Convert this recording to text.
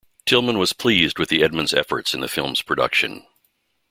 Tillman was pleased with the Edmonds' efforts in the film's production.